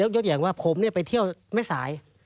ยกตัวอย่างว่าผมเนี่ยไปเที่ยวแม่สาย